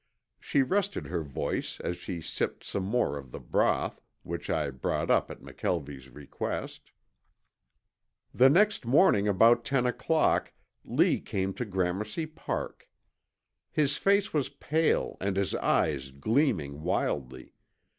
She rested her voice as she sipped some more of the broth, which I brought up at McKelvie's request. "The next morning about ten o'clock Lee came to Gramercy Park. His face was pale and his eyes gleaming wildly.